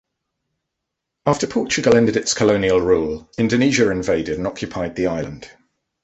After Portugal ended its colonial rule, Indonesia invaded and occupied the island.